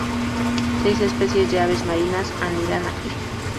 Seis especies de aves marinas anidan aquí.